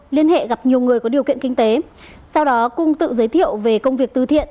liên hệ gặp nhiều người có điều kiện kinh tế sau đó cung tự giới thiệu về công việc tư thiện